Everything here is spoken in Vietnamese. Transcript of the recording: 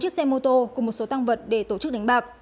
bốn chiếc xe mô tô cùng một số tang vật để tổ chức đánh bạc